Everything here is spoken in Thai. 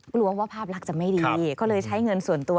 กลัวว่าภาพลักษณ์จะไม่ดีก็เลยใช้เงินส่วนตัว